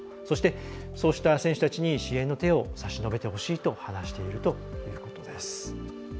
そして、そうした選手たちに支援の手を差し伸べてほしいと話しているということです。